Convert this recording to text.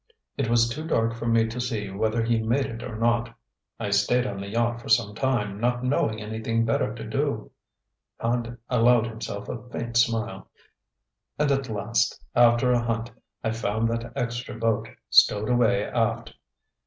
It was too dark for me to see whether he made it or not. I stayed on the yacht for some time, not knowing anything better to do " Hand allowed himself a faint smile "and at last, after a hunt, I found that extra boat, stowed away aft.